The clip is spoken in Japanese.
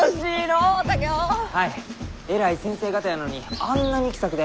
偉い先生方やのにあんなに気さくで。